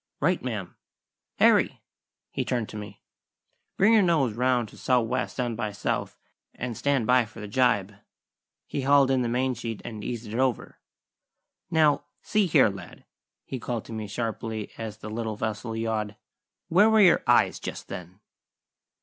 "Right, ma'am. Harry!" he turned to me "bring her nose round to sou' west and by south, and stand by for the gybe." He hauled in the main sheet and eased it over. "Now, see here, lad," he called to me sharply as the little vessel yawed: "where were your eyes just then?"